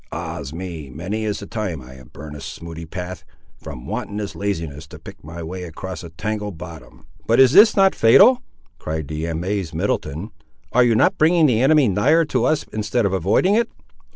Ah's me! many is the time I have burnt a smooty path, from wanton laziness to pick my way across a tangled bottom." "But is this not fatal?" cried the amazed Middleton; "are you not bringing the enemy nigher to us instead of avoiding it?"